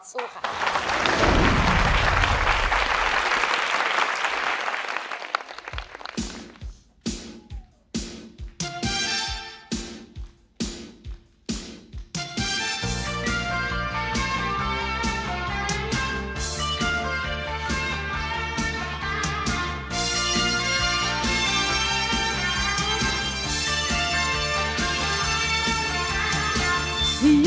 สู้ค่ะ